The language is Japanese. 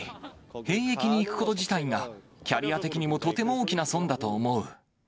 兵役に行くこと自体が、キャリア的にもとても大きな損だと思う。